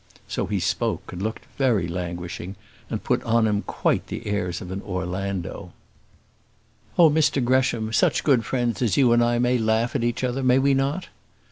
So he spoke and looked very languishing, and put on him quite the airs of an Orlando. "Oh, Mr Gresham, such good friends as you and I may laugh at each other, may we not?"